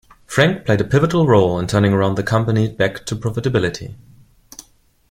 Frank played a pivotal role in turning around the company back to profitability.